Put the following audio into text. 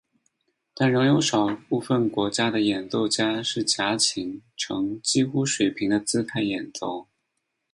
但仍有少部分国家的演奏家是夹琴呈几乎水平的姿态演奏。